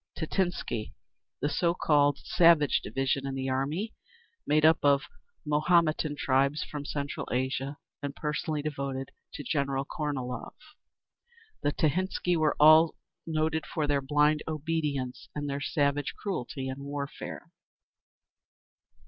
Tekhintsi. The so called "Savage Division" in the army, made up of Mohametan tribesmen from Central Asia, and personally devoted to General Kornilov. The Tekhintsi were noted for their blind obedience and their savage cruelty in warfare.